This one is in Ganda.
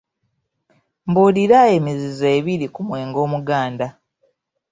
Mbuulira emizizo ebiri ku mwenge omuganda.